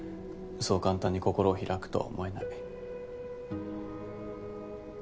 そう簡単に心を開くとは思えない。